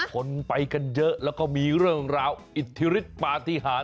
คนไปกันเยอะแล้วก็มีเรื่องราวอิทธิฤทธิปาติหาร